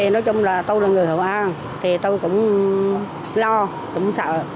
nói chung là tôi là người hồ an tôi cũng lo cũng sợ